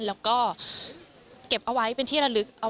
แล้วก็เก็บเอาไว้เป็นที่ระลึก